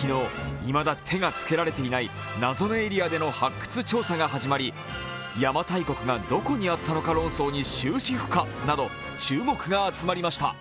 昨日、いまだ手がつけられていない謎のエリアでの発掘調査が始まり邪馬台国がどこにあったのか論争に終止符か？など、注目が集まりました。